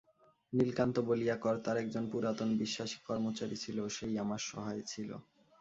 নীলকান্ত বলিয়া কর্তার একজন পুরাতন বিশ্বাসী কর্মচারী ছিল, সেই আমার সহায় ছিল।